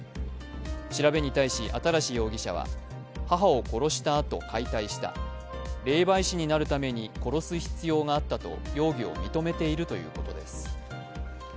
調べに対し新容疑者は母を殺したあと解体した、霊媒師になるために殺す必要があったと容疑を認めているということです。